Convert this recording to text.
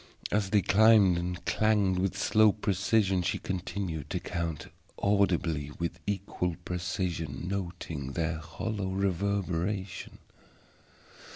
As they climbed and clanged with slow precision she continued to count, audibly and with equal precision, noting their hollow reverberation.